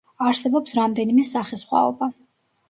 არსებობს რამდენიმე სახესხვაობა.